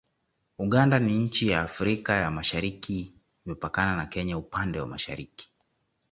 Uganda ni nchi ya Afrika ya Mashariki Imepakana na Kenya upande wa mashariki